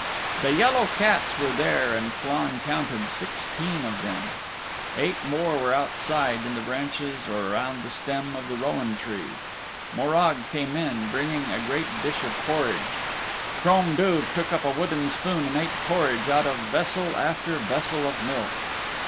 The yellow cats were there and Flann counted sixteen of them. Eight more were outside, in the branches or around the stem of the Rowan Tree. Morag came in, bringing a great dish of porridge. Crom Duv took up a wooden spoon and ate porridge out of vessel after vessel of milk.